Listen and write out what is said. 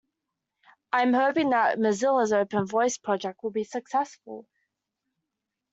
I'm hoping that Mozilla's Open Voice project will be successful.